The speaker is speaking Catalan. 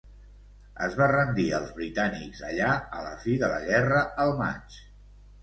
Es va rendir als britànics allà a la fi de la guerra al maig.